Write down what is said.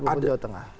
dan jawa tengah